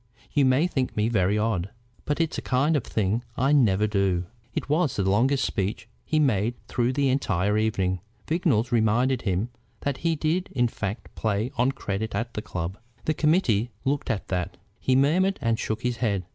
You may think me very odd, but it's a kind of thing I never do." It was the longest speech he made through the entire evening. Vignolles reminded him that he did in fact play on credit at the club. "The committee look to that," he murmured, and shook his head.